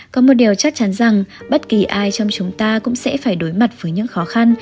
có một điều chắc chắn rằng bất kỳ ai trong chúng ta cũng sẽ phải đối mặt với những khó khăn